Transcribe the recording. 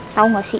tau ga sih